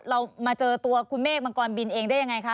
เรามาเจอตัวคุณเมฆมังกรบินเองได้ยังไงคะ